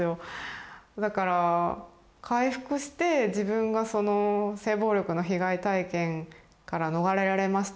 だから回復して自分がその性暴力の被害体験から逃れられました